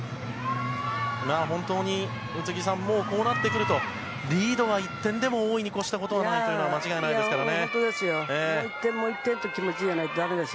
本当に、宇津木さんこうなってくるとリードは１点でも多いに越したことはないというのは間違いないですからね。